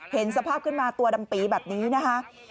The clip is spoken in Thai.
เห็นสภาพขึ้นมาตัวดำปีแบบนี้นะคะ